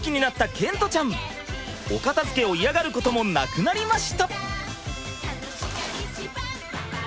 お片づけを嫌がることもなくなりました。